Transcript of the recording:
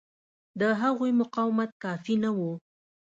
د هغوی مقاومت کافي نه و.